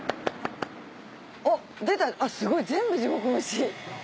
おっ出たすごい全部地獄蒸し。